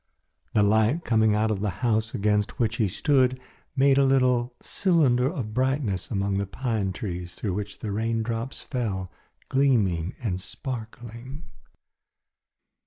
The light coming out of the house against which he stood made a little cylinder of brightness among the pine trees through which the raindrops fell gleaming and sparkling.